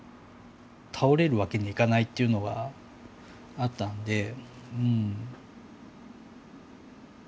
倒れるわけにいかないっていうのがあったので。